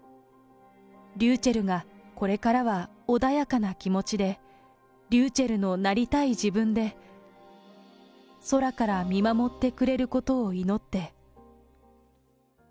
りゅうちぇるがこれからは穏やかな気持ちで、りゅうちぇるのなりたい自分で、空から見守ってくれることを祈って。